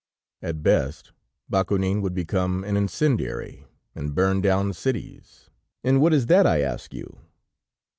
At best, Bakounine would become an incendiary, and burn down cities. And what is that, I ask you?